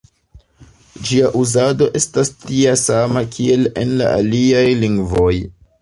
Ĝia uzado estas tia sama, kiel en la aliaj lingvoj.